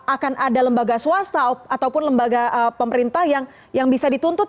akan ada lembaga swasta ataupun lembaga pemerintah yang bisa dituntut